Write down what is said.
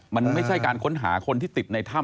มันไม่ใช่การค้นหาคนที่ติดในถ้ำ